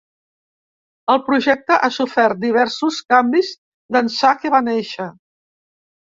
El projecte ha sofert diversos canvis d’ençà que va néixer.